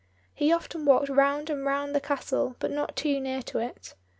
He often walked round and round the castle, but not too near to it.